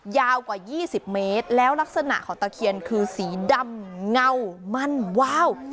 ยาวกว่า๒๐เมตรแล้วลักษณะของตะเคียนคือสีดำเงามั่นว้าว